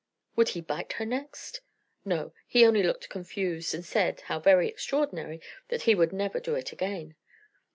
Would he bite her next? No: he only looked confused, and said (how very extraordinary!) that he would never do it again.